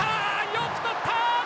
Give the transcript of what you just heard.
よく捕った！